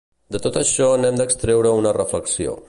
De tot això n’hem d’extreure una reflexió.